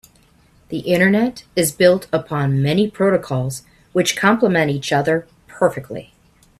The internet is built upon many protocols which compliment each other perfectly.